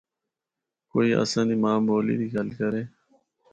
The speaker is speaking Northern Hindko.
کوئی اساں دی ماں بولی دی گل کرے۔